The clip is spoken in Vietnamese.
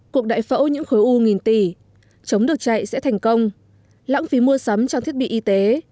cuộc đại phẫu những khối u nghìn tỷ chống được chạy sẽ thành công lãng phí mua sắm trang thiết bị y tế